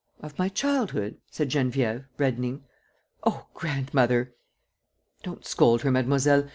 "Of my childhood?" said Geneviève, reddening. "Oh, grandmother!" "Don't scold her, mademoiselle.